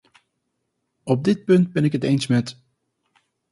Op dit punt ben ik het eens met …